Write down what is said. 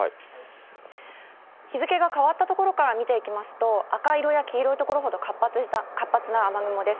日付が変わったところから見ていきますと、赤色や黄色い所ほど、活発な雨雲です。